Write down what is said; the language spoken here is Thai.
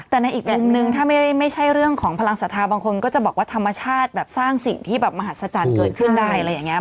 แต่ในอีกมุมนึงถ้าไม่ใช่เรื่องของพลังศรัทธาบางคนก็จะบอกว่าธรรมชาติแบบสร้างสิ่งที่แบบมหัศจรรย์เกิดขึ้นได้อะไรอย่างนี้